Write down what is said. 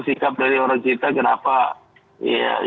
sikap dari orang kita kenapa ingin cepat berjaya